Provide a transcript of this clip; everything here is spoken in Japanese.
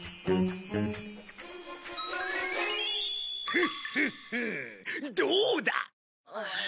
フッフッフッどうだ！